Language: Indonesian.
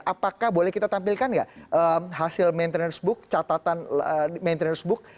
apakah boleh kita tampilkan nggak hasil maintenance book catatan maintenance book